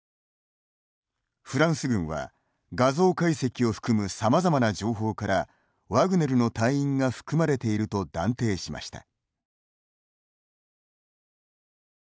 フランス軍は画像解析を含むさまざまな情報からワグネルの隊員が含まれていると断定しました。